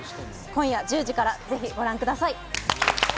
今夜１０時から、ぜひご覧ください。